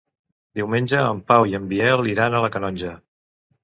Diumenge en Pau i en Biel iran a la Canonja.